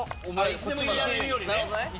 いつでも入れられるようにね。